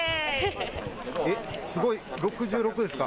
えっ、すごい、６６ですか？